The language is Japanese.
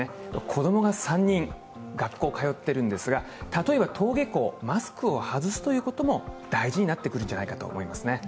子供が３人、学校に通っているんですが、例えば登下校、マスクを外すということも大事になってくるんじゃないかと思いますね。